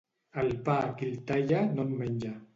El pa, qui el talla, no en menja.